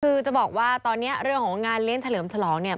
คือจะบอกว่าตอนนี้เรื่องของงานเลี้ยงเฉลิมฉลองเนี่ย